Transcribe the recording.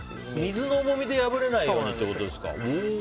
水の重みで破れないってことですか。